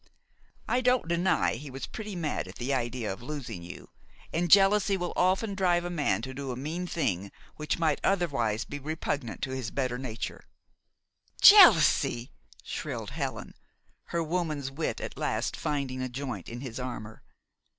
I don't deny he was pretty mad at the idea of losing you, and jealousy will often drive a man to do a mean thing which might otherwise be repugnant to his better nature " "Jealousy!" shrilled Helen, her woman's wit at last finding a joint in his armor.